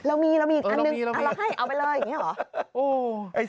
เรามีเรามีอันหนึ่งเอาไปเลยอย่างนี้หรอ